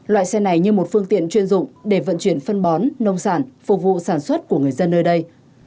loại xe này như một phương tiện chuyên dụng để vận chuyển phân bón nông sản phục vụ sản xuất của người dân nơi đây